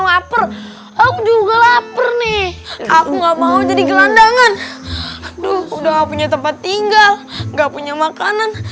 laper laper nih aku nggak mau jadi gelandangan udah punya tempat tinggal nggak punya makanan